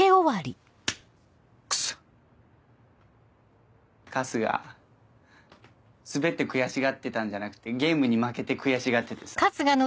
クソ春日スベって悔しがってたんじゃなくてゲームに負けて悔しがっててさ。